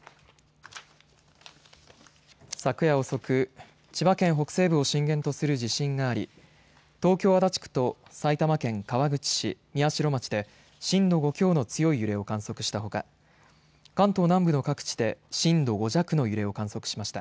昨夜遅く千葉県北西部を震源とする地震があり東京、足立区と埼玉県川口市宮代町で震度５強の強い揺れを観測したほか関東南部の各地で震度５弱の揺れを観測しました。